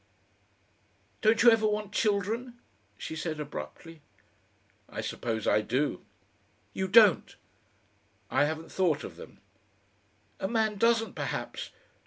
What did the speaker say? "Don't YOU ever want children?" she said abruptly. "I suppose I do." "You don't!" "I haven't thought of them." "A man doesn't, perhaps.